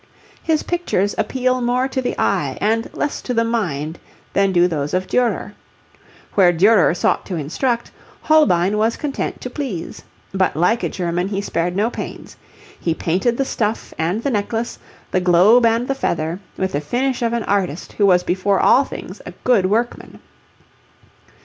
His pictures appeal more to the eye and less to the mind than do those of Durer. Where Durer sought to instruct, Holbein was content to please. But like a German he spared no pains. He painted the stuff and the necklace, the globe and the feather, with the finish of an artist who was before all things a good workman.